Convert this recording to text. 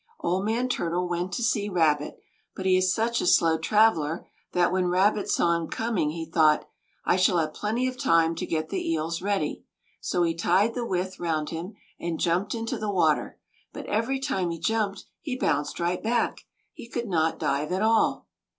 Old man Turtle went to see Rabbit; but he is such a slow traveller, that when Rabbit saw him coming, he thought, "I shall have plenty of time to get the eels ready," so he tied the withe round him, and jumped into the water, but every time he jumped, he bounced right back. He could not dive at all.